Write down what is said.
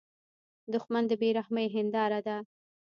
دښمن د بې رحمۍ هینداره ده